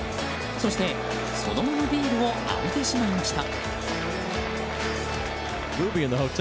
そして、そのままビールを浴びてしまいました。